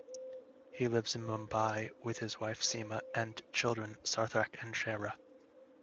He lives in Mumbai with his wife Seema and children Sarthak and Shreya.